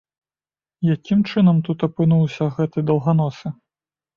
Якім чынам тут апынуўся гэты даўганосы?